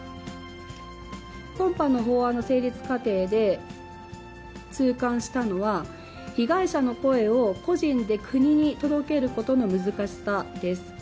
今般の法案の成立過程で、痛感したのは、被害者の声を個人で国に届けることの難しさです。